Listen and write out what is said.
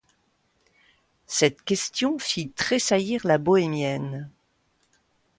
Cette question fit tressaillir la bohémienne.